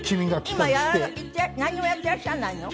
今なんにもやってらっしゃらないの？